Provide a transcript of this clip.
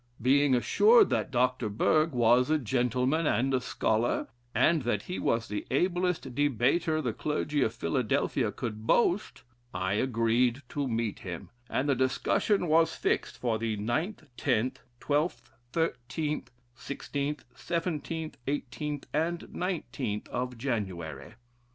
Being assured that Dr. Berg was a gentleman and a scholar, and that he was the ablest debater the clergy of Philadelphia could boast, I agreed to meet him, and the discussion was fixed for the 9th, 10th, 12th, 13th, 16th, 17th, 18th and 19th of January."....